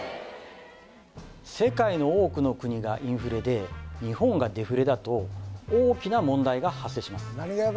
世界の多くの国がインフレで日本がデフレだと大きな問題が発生します